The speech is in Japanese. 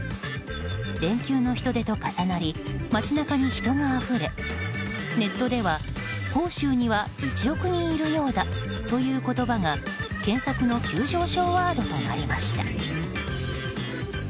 連休の人出と重なり街中に人があふれネットでは、杭州には１億人いるようだという言葉が検索の急上昇ワードとなりました。